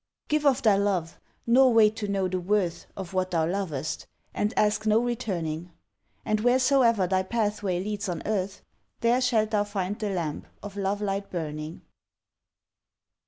Give of thy love, nor wait to know the worth Of what thou lovest; and ask no returning. And wheresoe'er thy pathway leads on earth, There thou shalt find the lamp of love light burning.